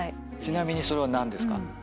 ちなみにそれは何ですか？